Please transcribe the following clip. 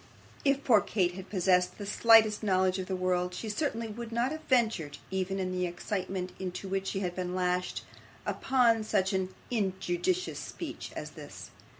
If poor Kate had possessed the slightest knowledge of the world, she certainly would not have ventured, even in the excitement into which she had been lashed, upon such an injudicious speech as this.